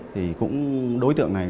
thì cũng đối tượng này